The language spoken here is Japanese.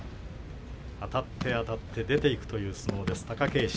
あたってあたって出ていくという相撲です、貴景勝。